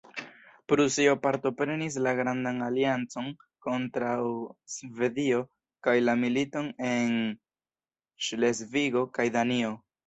Prusio partoprenis la grandan aliancon kontraŭ Svedio kaj la militon en Ŝlesvigo kaj Danio.